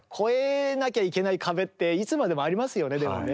いつまでもありますよねでもね。